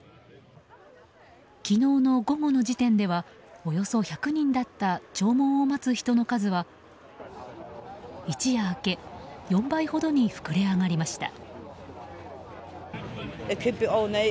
昨日の午後の時点ではおよそ１００人だった弔問を待つ人の数は一夜明け４倍ほどに膨れ上がりました。